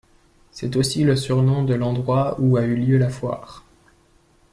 C'est aussi le surnom de l'endroit où a eu lieu la foire.